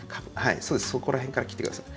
そこら辺から切ってください。